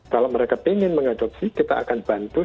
kalau mereka ingin mengadopsi kita akan bantu